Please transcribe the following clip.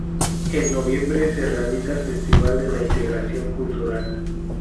En noviembre se realiza el Festival de la Integración Cultural